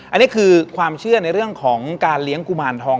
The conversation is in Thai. อันนี้คือความเชื่อในเรื่องของการเลี้ยงกุมารทอง